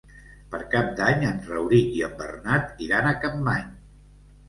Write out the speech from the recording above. Per Cap d'Any en Rauric i en Bernat iran a Capmany.